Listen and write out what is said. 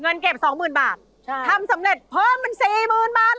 เงินเก็บ๒หมื่นบาททำสำเร็จเพิ่มเป็น๔หมื่นบาท